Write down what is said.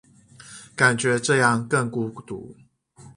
感覺這樣更孤獨